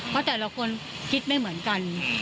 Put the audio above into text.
เพราะแต่ละคนคิดไม่เหมือนกัน